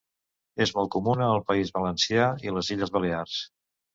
És molt comuna al País Valencià i les Illes Balears.